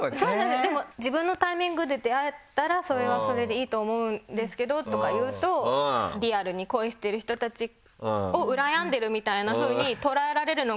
でも「自分のタイミングで出会えたらそれはそれでいいと思うんですけど」とか言うとリアルに恋してる人たちをうらやんでるみたいなふうに。